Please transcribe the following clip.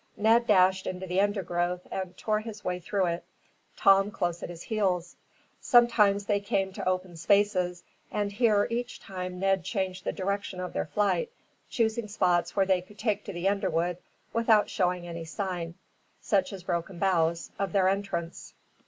Ned dashed into the undergrowth and tore his way through it, Tom close at his heels. Sometimes they came to open spaces, and here each time Ned changed the direction of their flight, choosing spots where they could take to the underwood without showing any sign, such as broken boughs, of their entrance.